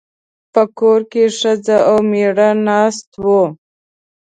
په کور کې ښځه او مېړه ناست وو.